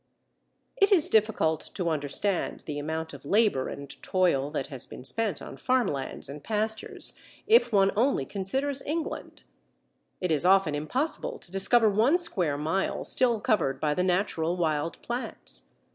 It is difficult to understand the amount of labour and toil that has been spent on farmlands and pastures, if one only considers England. It is often impossible to discover one square mile still covered by the natural wild plants.